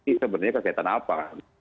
ini sebenarnya kegiatan apa